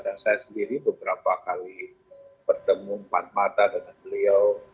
dan saya sendiri beberapa kali bertemu empat mata dengan beliau